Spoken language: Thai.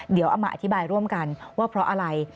เดี๋ยวเอามาอธิบายร่วมกันว่าเพราะอะไร